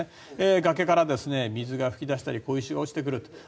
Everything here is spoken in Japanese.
崖から水が噴き出したり小石が落ちてくる。